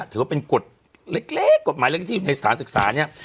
ถือว่าเป็นกฎเล็กกฎหมายเล็กที่อยู่ในสถานศึกษาเนี่ย